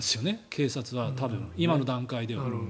警察は多分今の段階では。